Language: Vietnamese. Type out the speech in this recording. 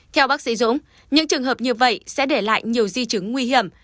theo bác sĩ dũng những trường hợp như vậy sẽ để lại nhiều di chứng nguy hiểm